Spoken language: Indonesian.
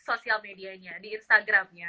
di social medianya di instagramnya